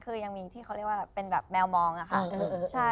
คือยังมีที่เขาเรียกว่าเป็นแบบแมวมองอะค่ะ